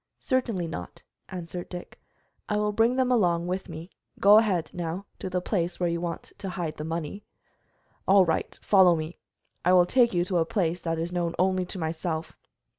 "Certainly not," answered Dick; "I will bring them along with me. Go ahead, now, to the place where you want to hide the money." "All right, follow me. I will take you to a place that is known only to myself."